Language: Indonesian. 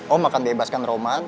om akan bebaskan roman